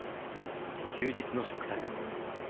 休日の食卓。